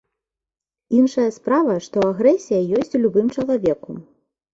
Іншая справа, што агрэсія ёсць у любым чалавеку.